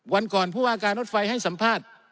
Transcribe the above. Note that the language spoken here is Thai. วันก่อนผู้ว่าการรถไฟให้สัมภาษณ์